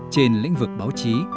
trên lĩnh vực báo chí